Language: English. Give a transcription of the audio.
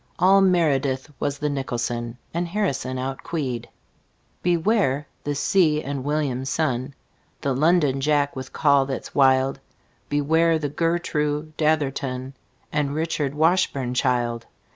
All meredith was the nicholson, And harrison outqueed. Beware the see enn william, son, The londonjack with call that's wild. Beware the gertroo datherton And richardwashburnchild.